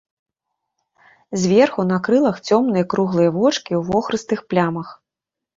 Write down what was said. Зверху на крылах цёмныя круглыя вочкі ў вохрыстых плямах.